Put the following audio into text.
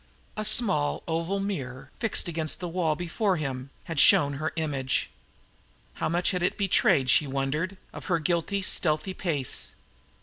A small oval mirror, fixed against the wall before him, had shown her image. How much had it betrayed, she wondered, of her guiltily stealthy pace?